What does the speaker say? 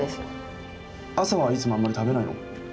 朝はいつもあんまり食べないの？